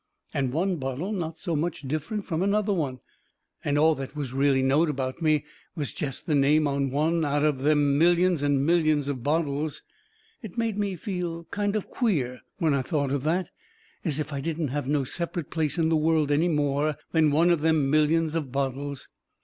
And one bottle not so much different from another one. And all that was really knowed about me was jest the name on one out of all them millions and millions of bottles. It made me feel kind of queer, when I thought of that, as if I didn't have no separate place in the world any more than one of them millions of bottles.